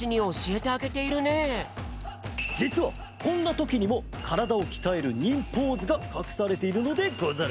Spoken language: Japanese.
じつはこんなときにもからだをきたえる忍ポーズがかくされているのでござる。